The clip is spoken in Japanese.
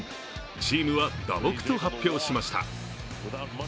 チームは打撲と発表しました。